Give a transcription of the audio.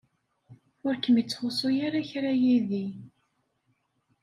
Ur kem-ittxuṣṣu ara kra yid-i.